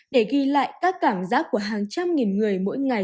để ghi lại các cảm giác của hàng trăm nghìn người mỗi ngày